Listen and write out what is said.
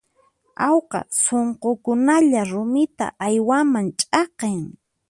Awqa sunqukunalla rumita uywaman ch'aqin.